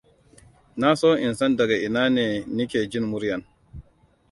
Na so in san daga ina ne nike jin muryan.